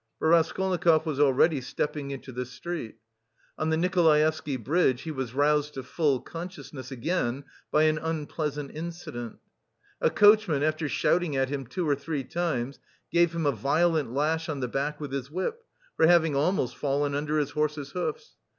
But Raskolnikov was already stepping into the street. On the Nikolaevsky Bridge he was roused to full consciousness again by an unpleasant incident. A coachman, after shouting at him two or three times, gave him a violent lash on the back with his whip, for having almost fallen under his horses' hoofs.